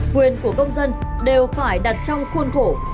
quyền của công dân đều phải đặt trong khuôn khổ